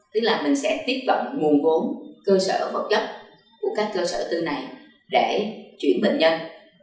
tức là mình sẽ tiếp cận nguồn vốn cơ sở vật chất của các cơ sở tư này để chuyển bệnh nhân